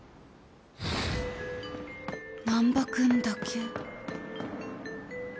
難破君だけ。